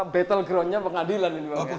battle ground nya pengadilan